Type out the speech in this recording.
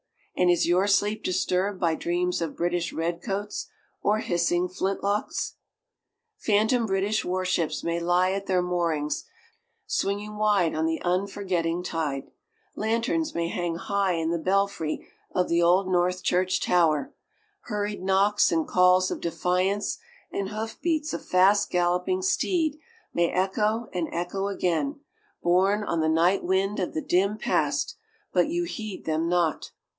And is your sleep disturbed by dreams of British redcoats or hissing flintlocks? Phantom British warships may lie at their moorings, swinging wide on the unforgetting tide, lanterns may hang high in the belfry of the Old North Church tower, hurried knocks and calls of defiance and hoof beats of fast galloping steed may echo and echo again, borne on the night wind of the dim Past, but you heed them not!